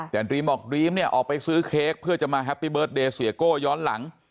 แต่ดรีมบอกดรีมเนี่ยออกไปซื้อเค้กเพื่อจะมาแฮปปี้เบิร์ตเดย์เสียโก้ย้อนหลัง